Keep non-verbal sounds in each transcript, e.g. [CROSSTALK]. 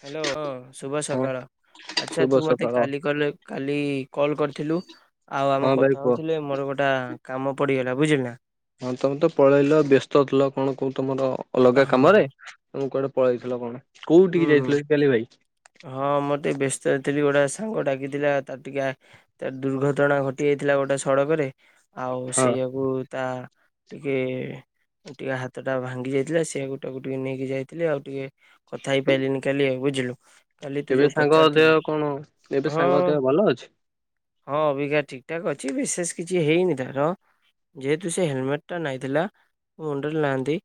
Hello, [INAUDIBLE] ଶୁଭ ହଁ ସକାଳ। ଆଚ୍ଛା, ଶୁଭ ତୁ ମତେ ସକାଳ କାଲି କଲେ କାଲି କଲ କରିଥିଲୁ? ଆଉ ହଁ ଆମେ ଭାଇ କଥା କୁହ ହଉଥିଲେ, ମୋର ଗୋଟା କାମ ପଡିଗଲା, ବୁଝିଲ ନା? ହଁ, ତମେ ତ ପଳେଇଲ। ବ୍ୟସ୍ତ ଥିଲ କଣ କହୁ ତମର ହଁ ଅଲଗା କାମରେ। ହୁଁ ତମେ କୁଆଡେ ପଳେଇଥିଲ? କଣ, କୋଉଠିକି ହୁଁ ଯାଇଥିଲ, [UNINTELLIGIBLE] ଭାଇ? ହଁ, ମୁଁ ଟିକେ ବ୍ୟସ୍ତଥିଲି। ଗୋଟେ ସାଙ୍ଗ ଡାକିଥିଲା, ତ ଟିକେ ତାର ଦୁର୍ଘଟଣା ଘଟି ଯାଇଥିଲା ଗୋଟେ ସଡକରେ, ଆଉ ହଁ ସେଇଆାକୁ ତା ଟିକେ ଟିକେ ହାତ ଟା ଭାଙ୍ଗି ଯାଇଥିଲା। ସେଏ ଗୋଟାକୁ ଟିକେ ନେଇକି ଯାଇଥିଲେ, ଆଉ ଟିକେ କଥା ହେଇପାରଲିିନି କାଲି, ବୁଝିଲୁ? କାଲି ତୁ ଏବେ ଯୋଉ ସାଙ୍ଗ ଦେହ ପଚାରୁଥିଲି? କଣ ଏବେ ଓ ସାଙ୍ଗ ଦେହ ଭଲ ଅଛି ହଁ, ଅଭିକା ଠିକ୍ ଠାକ୍ ଅଛି। ବିଶେଷ କିଛି ହେଇନି ତାର। ଯେହେତୁ ସେ ହେଲମେଟ୍ ଟା ନାଇଁଥିଲା ମୁଣ୍ଡରେ ନାଆନ୍ତି।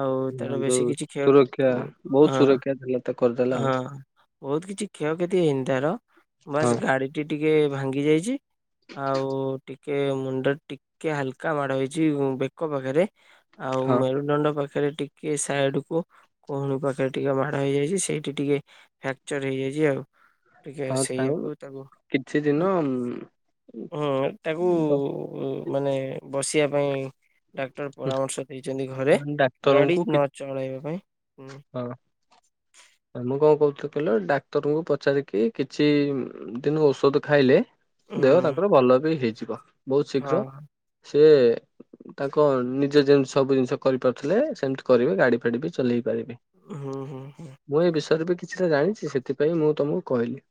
ଆଉ ହଁ ତାର ବେଶି ଯୋଉ କିଛି କ୍ଷୟ ସୁରକ୍ଷା ବହୁତ ସୁରକ୍ଷା ଥିଲା। ତ କରିଦେଲା ହଁ, ଆଉ ବହୁତ କିଛି କ୍ଷୟକ୍ଷତି ହେଇନି ତାର ହଁ ବାସ୍ ଗାଡି ଟିକେ ଭାଙ୍ଗି ଯାଇଛି। ଆଉ ଟିକେ ମୁଣ୍ଡ ଟିକେ ହାଲକା ମାଡ ହେଇଛି, ବେକ ପାଖରେ। ଆଉ ହଁ ମେରୁଦଣ୍ଡ ପାଖରେ, ଟିକେ ସାଇଡ କୁ, କହୁଣୀ ପାଖ ପାଖରେ ଟିକେ ମାଡ଼ ହେଇଯାଇଛି। ସେଇଠି ଟିକେ ଫ୍ରାକ୍ଚର ହେଇଯାଇଛି ଆଉ। ଟିକେ ହଁ ଆଉ ସେଇଆକୁ ତାକୁ କିଛି ଦିନ ହୁଁ, ତାକୁ ଉଁ ମାନେ ବସିବା ପାଇଁ ଡା ଡକ୍ଟର ପରାମର୍ଶ ଦେଇଛନ୍ତି ଘରେ, ଗାଡି ଡାକ୍ତରଙ୍କୁ କି ନ ଚଳେଇବା ପାଇଁ। ହୁଁ ହଁ। ମୁଁ କଣ କହୁଥିଲ, କହିଲ? ଡାକ୍ତରଙ୍କୁ ପଚାରିକି କିଛି ଦିନ ଔଷଧ ଖାଇଲେ ହୁଁ ଦେହ ତାଙ୍କର ଭଲ ବି ହେଇଯିବ। ବହୁତ ହଁ ଶୀଘ୍ର ସିଏ ତାଙ୍କ ନିଜେ ଯେମିତି ସବୁ ଜିନିଷ କରିପାରୁଥିଲେ, ସେମିତି କରିବେ। ଗାଡି ଫାଡି ବି ଚଲେଇ ପାରିବେ। ହୁଁ ହୁଁ ହୁଁ। ମୁଁ ଏ ବିଷୟରେ ବି କିଛିଟା ଜାଣିଛି, ସେଥିପାଇଁ ମୁଁ ତମକୁ କହିଲି।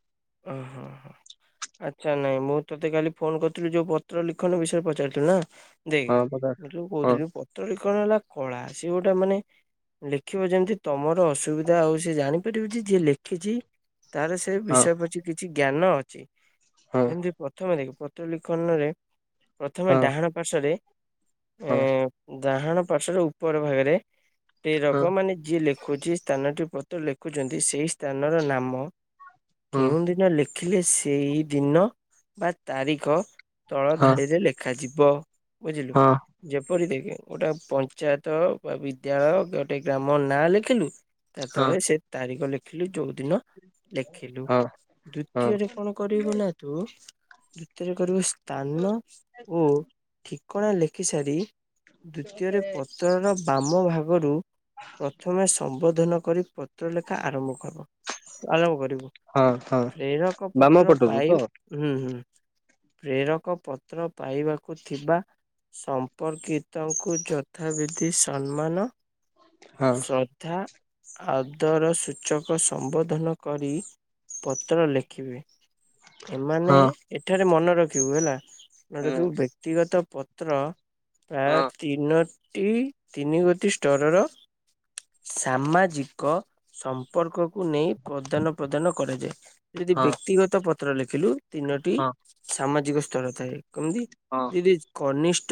ଓ ହୋ। ଆଚ୍ଛା, ନାଇଁ। ମୁଁ ତୋତେ କାଲି ଫୋନ୍ କରିଥିଲି, ଯୋଉ ପତ୍ର ଲିଖନ ବିଷୟରେ ପଚାରିଥିଲୁ ନା? ଦେଖ, ହଁ ପରା ମୁଁ [INAUDIBLE] ହଁ କହୁଥିଲି, ପତ୍ରରେ କଣ ହେଲା? କଳା ସେ ଗୋଟେ, ମାନେ ଲେଖିବ ଯେମିତି ତମର ଅସୁବିଧା ଆଉ ସିଏ ଜାଣିପାରିବ ଯେ ଯିଏ ଲେଖିଛି, ତାର ହଁ ବିଷୟ ପତି କିଛି ଜ୍ଞାନ ଅଛି, ହଁ ଯେମିତି ପ୍ରଥମେ ଦେଖେ ପତ୍ର ଲିଖନରେ ପ୍ରଥମେ ହଁ ଡାହାଣ ପାର୍ଶ୍ଵରେ ହଁ ଏଁ ଡାହାଣ ପାର୍ଶ୍ଵର ଉପର ଭାଗରେ ହଁ ଏଇରକ ମାନେ ଯିଏ ଲେ ଖୁଛି ସ୍ଥାନଟି ପତ୍ର ଲେଖୁଛନ୍ତି ସେଇ ସ୍ଥାନର ନାମ। ହଁ କେଉଁଦିନ ଲେଖିଲେ ସେଇ ଦିନ ବା ତାରିଖ ତଳ ହଁ ଧାଡ଼ିରେ ଲେ ଖାଯିବ, ବୁଝିଲୁ? ହଁ ଯେପରି ଦେଖେ ଗୋଟେ ପଞ୍ଚାୟତ ବା ବିଦ୍ୟାଳୟ ଗୋଟେ ଗ୍ରାମର ନାଁ ଲେଖିଲୁ ତା ହଁ ତଳେ ସେ ତାରିଖ ଲେଖିଲୁ ଯୋଉ ଦିନ ଲେଖିଲୁ, ହଁ ହଁ ଦୁତୀୟରେ କଣ? କଣ କରିବୁନା ତୁ ତୃତୀୟରେ କରିବୁ ସ୍ଥାନ ଓ ଠି କଣା ଲେଖିସାରି, ତୃତୀୟରେ ପ ଉତରର ବାମ ଭାଗରୁ ପ୍ରଥମେ ସମ୍ବୋଧନ କରି ପତ୍ର ଲେଖା ଆରମ୍ଭ କର୍, ବ ଆରମ୍ଭ କରିବୁ। ହଁ, ହଁ, ପ୍ରେରକ ବାମ ପତ୍ର ପଟରୁ ପାଇ ତ? ହୁଁ, ହୁଁ। ପ୍ରେରକ ପତ୍ର ପାଇବାକୁ ଥିବା ସମ୍ପର୍କିତଙ୍କୁ ଯଥାବିଧି ସମ୍ମାନ ହଁ ଶ୍ରଦ୍ଧା, ଆଦର ସୂଚକ ସମ୍ବୋଧନ କରି ପତ୍ର ଲେଖିବେ, ଏମାନେ ହଁ ଏଠାରେ ମନେ ରଖିବୁ ହେଲା। ମନେ ହଁ ରଖିବୁ ବ୍ୟକ୍ତିଗତ ପତ୍ର ହଁ ପ୍ରାୟ ତିନ ଟି ତିନି ଗୋଟି ଷ୍ଟରର ସାମାଜିକ ସମ୍ପର୍କକୁ ନେଇ ପ୍ରଦାନ ପ୍ରଦାନ କରାଯାଏ, ଯଦି ହଁ ବ୍ୟକ୍ତିଗତ ପତ୍ର ଲେଖିଲୁ ତିନୋଟି ହଁ ସାମାଜିକ ସ୍ତର ଥାଏ, କେମିତି? ହଁ [UNINTELLIGIBLE] କନିଷ୍ଠ,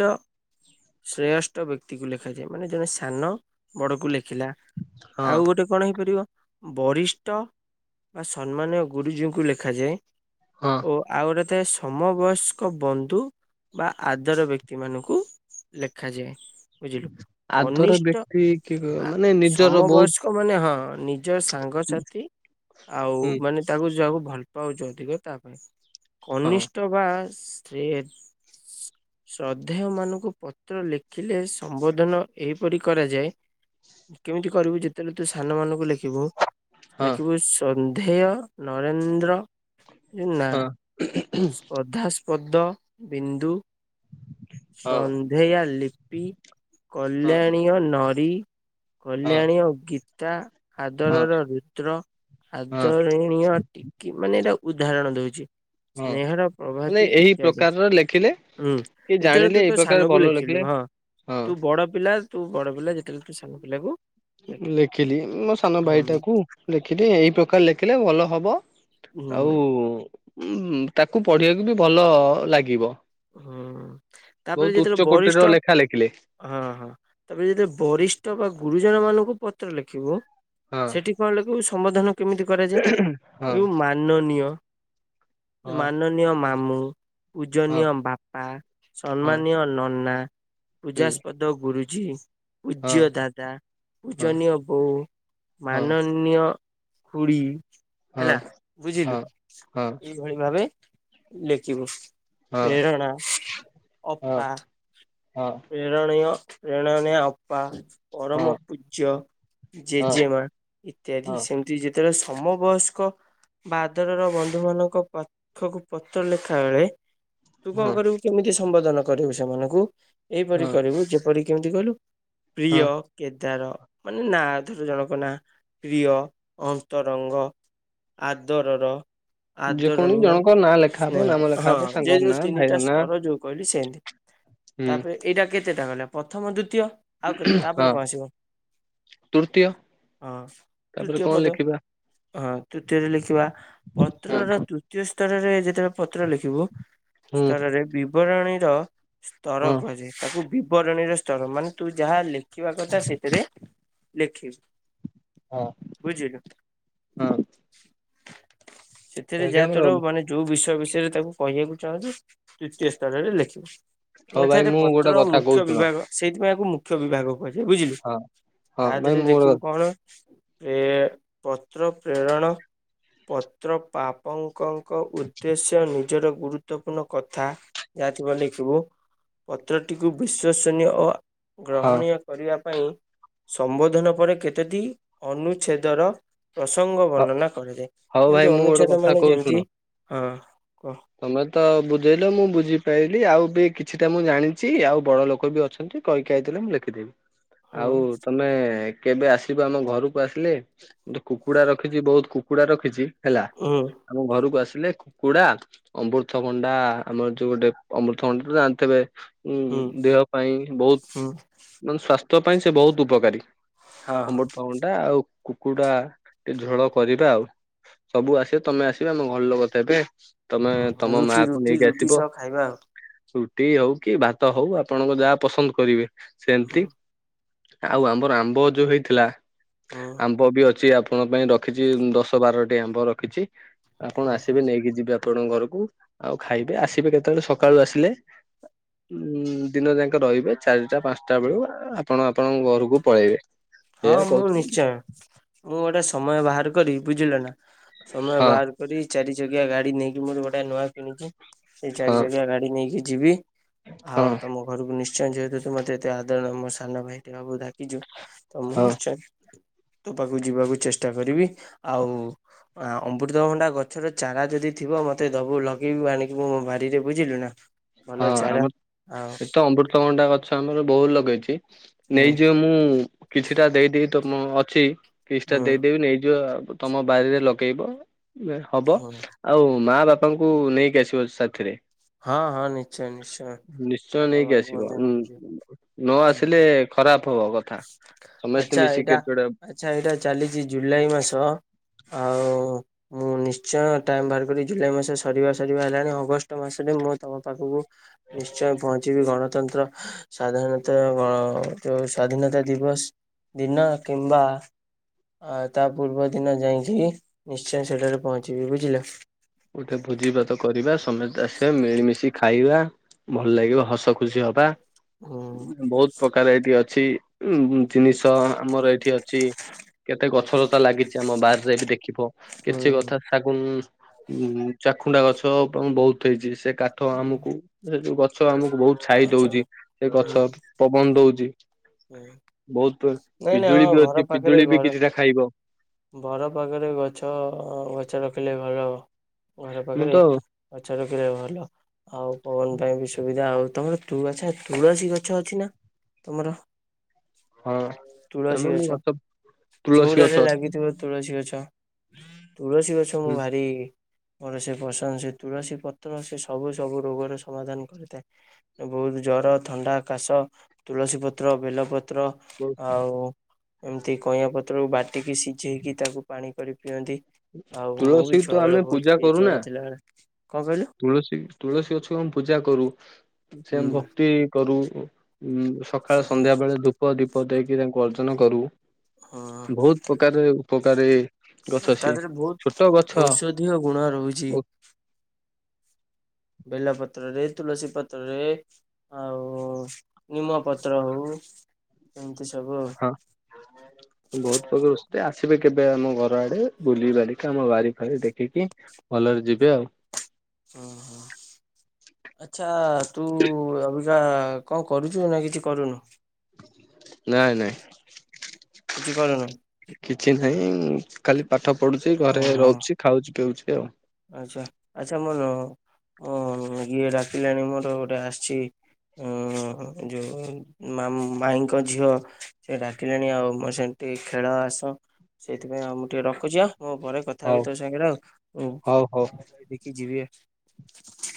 ଶ୍ରେୟଷ୍ଠ ବ୍ୟକ୍ତିକୁ ଲେଖାଯାଏ ମାନେ ଜଣେ ସାନ ବଡକୁ ଲେଖିଲା, ହଁ ଆଉ ଗୋଟେ କଣ ହେଇପାରିବ? ବରିଷ୍ଠ ବା ସମ୍ମାନୀୟ ଗୁରୁଜୀଙ୍କୁ ଲେଖାଯାଏ। ହଁ ଓ ଆଉ ଗୋଟେ ଥାଏ ସମବୟସ୍କ ବନ୍ଧୁ ବା ଆଦର ବ୍ୟକ୍ତି ମାନଙ୍କୁ। ଲେଖାଯାଏ ବୁଝିଲୁ, ଆଦର କନିଷ୍ଠ ବ୍ୟକ୍ତି କି ଆ ମାନେ ନିଜର ବହୁତ ସମବୟସ୍ ସ୍କ ମାନେ ହଁ ନିଜ ସାଙ୍ଗସାଥି ଆଉ ହଁ ମାନେ ତାକୁ ଯାହାକୁ ଭଲ ପାଉଛି ଅଧିକ ତା ପାଇଁ, ହଁ କନିଷ୍ଟ ଟ ବାସ୍ ଟ୍ରେ ଶ୍ରଦ୍ଧେୟ ମାନଙ୍କୁ ପତ୍ର ଲେଖିଲେ ସମ୍ବୋଧନ ଏହିପରି କରାଯାଏ। କେମିତି କରିବୁ ଯେତେବେଳେ ତୁ ସାନ ମାନଙ୍କୁ ଲେଖିବୁ? ହଁ ଲେଖିବୁ ଏ ସନ୍ଧେୟ, ନରେନ୍ଦ୍ର। ହଁ ଅଧାସ୍ପଦ, ବିନ୍ଦୁ, ହଁ ସନ୍ଧେୟା ଲିପି। କଲ୍ୟାଣୀୟ ନରୀ, ହଁ କଲ୍ୟାଣୀୟ ଗୀତା। ହଁ ଆଦରର ରୁଦ୍ର, ହଁ ଆଦରଣୀ ଅଟି। କି ମାନେ ଏଇଟା ଉଦାହରଣ ଦଉଛି, ହଁ ସ୍ନେହର ମାନେ ପ୍ରଭାତି ଏହି ଇତ୍ୟାଦି। ପ୍ରକାରର ଲେଖିଲେ ହୁଁ କି ଯେତେବେଳେ ଜାଣିଲେ ତୁ ଏଇ ତୋ ପ୍ରକାର ସାନକୁ ଭଲ ଲେଖିଲୁ ଲେଖିଲେ ହଁ ହଁ ତୁ ବଡ ପିଲା। ତୁ ବଡ ପିଲା ଯେତେବେଳେ ତୁ ସାନ ପିଲାକୁ ଲେଖିଲୁ ଲେଖିଲି ମୋ ସାନ ହୁଁ ଭାଇଟାକୁ ଲେଖିଲି ଏଇ ପ୍ରକାର ଲେଖିଲେ ଭଲ ହବ। ଆଉ ହୁଁ। ଉଁ ତାକୁ ପଢିବାକୁ ବି ଭଲ ଲାଗିବ। ହୁଁ, ତାପରେ ବହୁତ ଯେତେବେଳେ ଉଚ୍ଚ କୋଟିର ବରିଷ୍ଠ ଲେଖା ଲେଖିଲେ ହଁ, ହଁ, ତାପରେ ଯେତେଳେ ବରିଷ୍ଠ ବା ଗୁରୁଜନ ମାନଙ୍କୁ ପତ୍ର ଲେଖିବୁ ହଁ ସେଠି କଣ ଲେଖିବୁ ସମାଧାନ କେମିତି କରାଯାଏ? ହଁ ଲେଖିବୁ ମାନନୀୟ, ହଁ ମାନ ମାନନୀୟ ମାମୁଁ ହଁ ପୂଜନୀୟ ବାପା ହଁ ସମ୍ମାନୀୟ ନନା। ହୁଁ ପୂଜାସ୍ପଦ ଗୁରୁଜୀ। ହଁ ପୂଜ୍ୟ ଦାଦା ହଁ ପୂଜନୀୟ ବୋଉ ହଁ ମାନୀୟ ମାନନୀୟ ଖୁଡି ହେଲା ହଁ ବୁଝିଲୁ। ହଁ ଏଇଭଳି ଭାବେ ଲେଖିବୁ। ହଁ ହଁ ହଁ ବେରଣା ହଁ ଅପା। ହଁ ପ୍ରେରଣୀୟ ପ୍ରେରଣ ଅପା ପରମ ହଁ ପୂଜ୍ୟ ହଁ ଜେଜେମା ଇତ୍ୟାଦି ସେମିତି ଯେତେବେଳେ ସମବୟସ୍କ ବା ଆଦରର ବନ୍ଧୁମାନଙ୍କ ପାଖକୁ ପତ୍ର ଲେଖାବେଳେ ତୁ ହଁ କଣ ହଁ କରିବୁ କେମିତି ସମ୍ବୋଧନ କରିବୁ ସେମାନଙ୍କୁ ଏଇପରି ହଁ କରିବୁ ଯେପରି କେମିତି କହିଲୁ ପ୍ରିୟ। କେଦାର ମାନେ ନା ଧର ଜଣକ ନାଁ ପ୍ରିୟ ଅନ୍ତରଙ୍ଗ। ଆଦରର ଯେକୌଣସି ଆଦରଣୀୟ ଜଣଙ୍କ ନାଁ ଲେଖା ହବ ନାମ ସ୍ନେହର ଲେଖା ହଁ। ହବ ଯେ ସାଙ୍ଗର ଯୋଉ ନାଁ ଭାଇର ତିନିଟା ନାଁ ସ୍ତର ଯୋଉ କହିଲି ସେମତି ହୁଁ ତାପରେ ଏଇଟା କେତେଟା ଗଲା ପ୍ରଥମ ଦ୍ଵିତୀୟ। ଆଉ କେ ହଁ ତାପରେ କଣ ଆସିବ। ତୃତୀୟ ହଁ ତାପରେ ତୃତୀୟ କଣ ପଦ। ଲେଖିବା ହଁ ତୃତୀୟରେ ଲେଖିବା ହୁଁ ପତ୍ରର ତୃତୀୟ ସ୍ତରରେ ଯେତେବେଳେ ପତ୍ର ଲେଖିବୁ। ସ୍ତରରେ ବିବରଣୀର ସ୍ତର ହଁ କୁହାଯାଏ। ତାକୁ ବିବରଣୀର ସ୍ତର ମାନେ ତୁ ଯାହା ଲେଖିବା କଥା ସେଥିରେ ଲେଖିବୁ। ହଁ। ବୁଝିଲୁ ହଁ ସେଥିରେ ଏଇଠି ଯାହା ଆମର ତୋର ମାନେ ଯୋଉ ବିଷୟ ବିଷୟରେ ତାକୁ କହିବାକୁ ଚାହୁଁଛି ତୃତୀୟ ସ୍ତରରେ ଲେଖିବୁ। ହଉ ଆଛା ଭାଇ ଏଠାରେ ମୁଁ ଗୋଟେ ପତ୍ର କଥା କହୁଛି ମୁଖ୍ୟ ଶୁଣ ବିଭାଗ ସେଇଥିପାଇଁ ଏହାକୁ ମୁଖ୍ୟ ବିଭାଗ କୁହାଯାଏ ବୁଝିଲୁ ହଁ ହଁ ତା ଭାଇ ଦେହରେ ମୁଁ ଗୋଟେ ଲେଖିବୁ କଣ? ଯେ ପତ୍ର ପ୍ରେରଣ ପତ୍ର ପାପ ପଙ୍କ ଙ୍କ ଉଦ୍ଦେଶ୍ୟ ନିଜର ଗୁରୁତ୍ୱପୂର୍ଣ୍ଣ କଥା ଯାହାଥିବ ଲେଖିବୁ। ପତ୍ରଟିକୁ ବିଶ୍ୱସନୀୟ ଓ ହଁ ଗ୍ରହଣୀୟ କରିବା ପାଇଁ ସମ୍ବୋଧନ ପରେ କେତେଟି ଅନୁଚ୍ଛେଦର ପ୍ରସଙ୍ଗ ହ ବର୍ଣ୍ଣନା କରାଯାଏ ହଉ ଭାଇ କିନ୍ତୁ ମୁଁ ଗୋଟେ ଅନୁଛେଦ କଥା ମାନେ କହୁଛି ଶୁଣ। ଯେମିତି ହଁ କୁହ। ତମେ ତ ବୁଝେଇଲ ମୁଁ ବୁଝିପାଇଲିି ଆଉ ବି କିଛିଟା ମୁଁ ଜାଣିଛି ଆଉ ବଡ ଲୋକ ବି ଅଛନ୍ତି। କହି କାଈ ଦେଲେ ମୁଁ ଲେଖିଦେବି। [INAUDIBLE] ଆଉ ତମେ କେବେ ଆସିବ ଆମ ଘରକୁ ଆସିଲେ ଗୋଟେ କୁକୁଡା ରଖିଛି ବହୁତ କୁକୁଡା ରଖିଛି। ହେଲା ହୁଁ ଆମ ଘରକୁ ଆସିଲେ କୁକୁଡ଼ା ଅମୃତଭଣ୍ଡା ଆମର ଯୋଉ ଗୋଟେ ଅମୃତଭଣ୍ଡା ତ ଜାଣିଥିବେ। ହୁଁ ଦେହ ପାଇଁ ବହୁତ ହୁଁ ମାନେ ସ୍ଵାସ୍ଥ୍ୟ ପାଇଁ ସେ ବହୁତ ଉପକାରୀ। ହଁ ଅମୃତଭଣ୍ଡା ଆଉ କୁକୁଡା ଟିକେ ଝୋଳ କରିବା ଆଉ। ସବୁ ଆସିବେ ତମେ ଆସିବ ଆମ ଘର ଲୋକ ଥିବେ। ତମେ ହଁ ହୁଁ ତମ ରୁଟି ମାଆକୁ ରୁଟି ନେଇକି ରୁଟି ଆସିବ। ସହ ଖାଇବା ଆଉ ରୁଟି ହଉ କି ଭାତ ହଉ ଆପଣଙ୍କର ଯାହା ପସନ୍ଦ କରିବେ ହୁଁ ସେମିତି। ଆଉ ଆମର ଆମ୍ବ ଯୋଉ ହେଇଥିଲା। ହଁ। ଆମ୍ବ ବି ଅଛି ଆପଣ ପାଇଁ ରଖିଛି ଦଶ ବାରଟି ଆମ୍ବ ରଖିଛି ଆପଣ ହୁଁ ଆସିବେ ନେଇକି ଯିବେ। ଆପଣଙ୍କ ଘରକୁ ଆଉ ଖାଇବେ ଆସିବେ କେତେବେଳେ ସକାଳୁ ଆସିଲେ। ଉଁ ଦିନ ଯାକ ରହିବେ ଚାରିଟା ପାଞ୍ଚଟା ବେଳୁ ଆପଣ ଆପଣଙ୍କ ଘରକୁ ପଳେଇବେ। ହଁ ଏଇଆ ମୁଁ କହୁଥିଲି ନିଶ୍ଚୟ ମୁଁ ଗୋଟେ ସମୟ ବାହାର କରିବି ବୁଝିଲ ନା ସମୟ ହଁ ବାହାର କରି ଚାରି ଚକିଆ ଗାଡି ନେଇକି ମୋର ଗୋଟେ ନୂଆ କିଣିଛି। ସେଇ ହଁ ଚାରି ଚକିଆ ଗାଡି ନେଇକି ଯିବି ହଁ ଆଉ ତମ ତମ ଘରକୁ ନିଶ୍ଚୟ ଯେହେତୁ ତୁ ମତେ ଏତେ ଆଦର ମୋ ସାନ ଭାଇଟେ ହବୁ ଡାକିଛୁ ତ ମୁଁ ହଁ ନିଶ୍ଚୟ ତୋ ପାଖକୁ ଯିବାକୁ ଚେଷ୍ଟା କରିବି ଆଉ ଆ ଅମୃତଭଣ୍ଡା ଗଛର ଚାରା ଯଦି ଥିବ ମତେ ଦବୁ ଲଗେଇବି ଆଣିକି ମୁଁ ମୋ ବାରିରେ ବୁଝିଲୁ ନା। ଭଲ ଚାରା। ଆଉ ଏଠି ତ ଅମୃତଭଣ୍ଡା ଗଛ ଆମର ବହୁତ ଲଗେଇଛି ହୁଁ ନେଇଯିବ ମୁଁ କିଛିଟା ଦେଇଦେବି ତ ମୁଁ ଅଛି କିଛିଟା ହୁଁ ଦେଇଦେବି ନେଇଯିବ ଆଉ ବ୍ ତମ ବାରିରେ ଲଗେଇବ ବେ ହବ ହୁଁ ଆଉ ମା ବାପାଙ୍କୁ ନେଇକି ଆସିବ ସାଥିରେ। ହଁ ହଁ ନିଶ୍ଚ ନିଶ୍ଚୟ ନେଇକି ଆସିବ ଉ ନେଇକି ଯିବି ନ ଆସିଲେ ଖରାପ ହବ କ ଆଚ୍ଛା ଏଇଟା ଆଚ୍ଛା ଏଇଟା ଚାଲିଛି ଜୁଲାଇ ମାସ ଆଉ। ମୁଁ ନିଶ୍ଚୟ ଟାଇମ ବାହାର କରି ଜୁଲାଇ ମାସ ସରିବା ସରିବା ହେଲାଣି ଅଗଷ୍ଟ ମାସରେ ମୁଁ ତମ ପାଖକୁ ନିଶ୍ଚୟ ପହଞ୍ଚିବି ଗଣତନ୍ତ୍ର ସାଧାରଣତଃ ଆଁ ଯୋଉ ସ୍ଵାଧୀନତା ଦିବସ ଦିନ କିମ୍ବା ଆ ତା ପୂର୍ବ ଦିନ ଯାଇକି ନିଶ୍ଚୟ ସେଠାରେ ପହଞ୍ଚିବି ବୁଝିଲ। ଗୋଟେ ଭୋଜି ଭାତ କରିବା ସମସ୍ତେ ଆସିବେ ମିଳିମିଶି ଖା ଖାଇବା ଭଲ ଲାଗିବ ହସ ଖୁସି ହବା ହୁଁ ବହୁତ ପ୍ରକାର ଏଇଠି ଅଛି ଉ ଜିନିଷ ଆମର ଏଇଠି ଅଛି କେତେ ଗଛ ଲତା ଲାଗିଛି ଛି ଆମ ବାରରେ ବି ଦେଖିବ ହୁଁ କିଛି କଥା ଶାଗୁନ ଉଁ ଚାଖୁଣ୍ଡା ଗଛ ବହୁତ ହେଇଛି ସେ କାଠ ହୁଁ ଆମକୁ ସେ ଯୋଉ ଗଛ ଆମକୁ ବହୁତ ଛାଇ ଆଚ୍ଛା ଦଉଛି ସେ ହୁଁ ଗଛ ପବନ ଦଉଛି। ହୁଁ ବହୁତ ନାଇଁ ନାଇଁ ପିଜୁଳି ହଁ ବି ଘର ଅଛି ପାଖରେ ପିଜୁଳି ବି ଘର କିଛିଟା ଖାଇବ। ଘର ପାଖରେ ଗଛ ଗଛ ରଖିଲେ ଭଲ ଘର ମୁଁ ପାଖରେ ତ ଗଛ ରଖିଲେ ଭଲ। ଆଉ ପବନ ପାଇଁ ବି ସୁବିଧା ହଉଥିବ ତୁଳ ଆଛା ତୁଳସୀ ଗଛ ଅଛି ନା ତୁମର। ହଁ ତୁଳସୀ ତେଣୁ ମୁଁ ଗଛ ତୁଳସୀ ଗଛ ଚଉରାରେ ଅଛି ଲାଗିଥିବ ତୁଳସୀ ଗଛ। ତୁଳସୀ ଗଛ ମୁଁ ଭାରି ମୋର ସେ ପସନ୍ଦ ସେ ତୁଳସୀ ପତ୍ର ସେ ସବୁ ସବୁ ରୋଗର ସମାଧାନ କରିଥାଏ। ବହୁତ ଜର, ଥଣ୍ଡା, କାଶ ତୁଳସୀ ପତ୍ର ବେଲପତ୍ର ହୁଁ ଆଉ ଏମିତି କଇଁଆ ପତ୍ରକୁ ବାଟିକି ସିଝେଇକି ତାକୁ ପାଣି କରି ପିଅନ୍ତି। ଆଉ ମୁଁ ତୁଳସୀ ବି ତ ଛୁଆ ବେଳେ ଆମେ ବହୁତ ପୂଜା ପିଇଚି କରୁନା ଜର ଥିଲାବେଳେ। କଣ କହିଲ? ତୁଳସୀ ତୁଳସୀ ଗଛକୁ ଆମେ ପୂଜା କରୁ ସେ ହୁଁ ଭକ୍ତି କରୁ। ଉଁ ସକାଳେ ସନ୍ଧ୍ୟା ବେଳେ ଧୂପ ଦୀପ ଦେଇକି ତାଙ୍କୁ ଅର୍ଜନ କରୁ ହଁ। ବହୁତ ଉପକାରରେ ଉପକାରୀ। ଗଛ ତା ସିଏ ଦେହରେ ବହୁତ ଛୋଟ ଗଛ। ଅଧିକ ଗୁଣ ରହୁଛି। ଓ ବେଲପତ୍ରରେ ତୁଳସୀ ପତ୍ରରେ। ଆଉ ନିମପତ୍ର ହଉ। ଏମିତିସବୁ ଆଉ। ହଁ ବହୁତ୍ ପକଳ। ଆସିବେ କେବେ ଆମ ଘର ଆଡେ ବୁଲି ବାଲିକି ଆମ ବାରି ଫାରି ଦେଖିକି ଭଲରେ ଯିବେ ଆଉ। ଓହୋ। ଆଚ୍ଛା ତୁ ଅବିକା କଣ କରୁଛୁ ନା କିଛି କରୁନୁ? ନାଇଁ ନାଇଁ। ଏଠି କନ? କିଛି ନାହିଁ ଖାଲି ପାଠ ପଢୁଛି ଘରେ ଓହୋ ରହୁଛି ଖାଉଛି ପିଉଛି ଆଉ। ଆଚ୍ଛା ଆଚ୍ଛା ମୋର ଇଏ ଡାକିଲାଣି ମୋର ଗୋଟେ ଆସିଛି। ଓହୋ ଯେଉ। ମାମୁଁ ମାଇଙ୍କ ଝିଅ ସେ ଡାକିଲେଣି ଆଉ ସେମିତି ଖେଳ ଆସ। ସେଇଥିପାଇଁ ଆ ମୁଁ ଟିକେ ରଖୁଛିିବା। ମୁଁ ପରେ କଥା ହେବି ହଉ ତୋ ସାଙ୍ଗରେ ଆଉ ହଉ ହଉ। କ ଦେଖିକି ଯିବି ଆଉ।